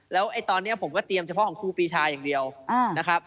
แล้วตอนนี้ผมก็เตรียมเฉพาะของครูปีชาอย่างเดียวนะครับ